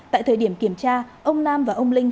tại thời điểm kiểm tra ông nam và ông linh